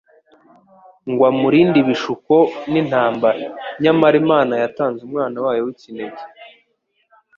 ngo amurinde ibishuko n'intambara. Nyamara Imana yatanze Umwana wayo w'ikinege,